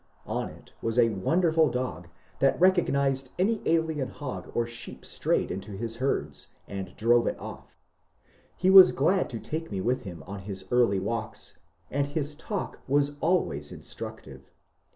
On it was a wonderful dog, that recognized any alien hog or sheep strayed into his herds, and drove it off. He was glad to take me with him on his early walks, and his talk was always instructive.